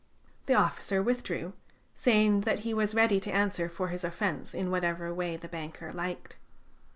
The officer withdrew, saying that he was ready to answer for his offence in whatever way the banker liked.